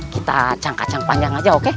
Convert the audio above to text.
kita cangkacang panjang saja